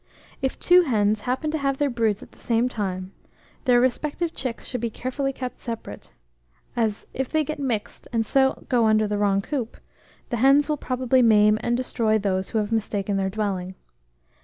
If two hens happen to have their broods at the same time, their respective chicks should be carefully kept separate; as, if they get mixed, and so go under the wrong coop, the hens will probably maim and destroy those who have mistaken their dwelling.